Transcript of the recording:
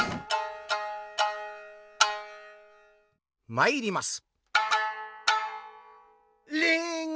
まいります。